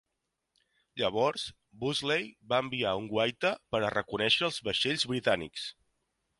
Llavors, Woolsey va enviar un guaita per a reconèixer els vaixells britànics.